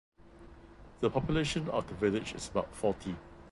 The population of the village is about forty.